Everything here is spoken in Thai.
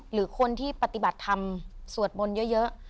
หรือคนที่ปฏิบัติธรรมสวดมนต์เยอะ